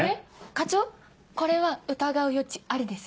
課長これは疑う余地ありです。